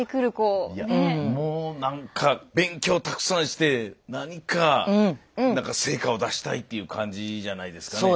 もう何か勉強たくさんして何か成果を出したいっていう感じじゃないですかね。